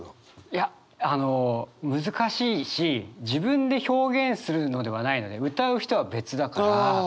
いやあの難しいし自分で表現するのではないので歌う人は別だから。